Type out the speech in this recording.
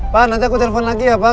pak nanti aku telepon lagi ya pak